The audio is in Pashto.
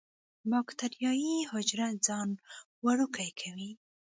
باکټریايي حجره ځان وړوکی کوي.